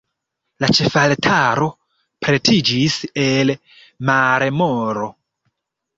La ĉefaltaro pretiĝis el marmoro.